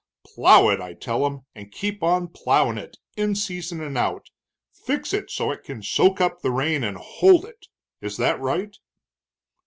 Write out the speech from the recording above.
Plow it, I tell 'em, and keep on plowin' it, in season and out; fix it so it can soak up the rain and hold it. Is that right?"